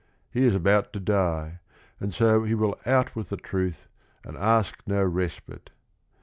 He is about to die, and so he will out with the truth and ask no respite.